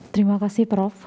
terima kasih prof